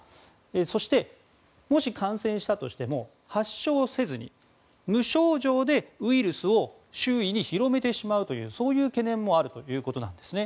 そしてもし感染したとしても発症せずに無症状でウイルスを周囲に広めてしまうというそういう懸念もあるということなんですね。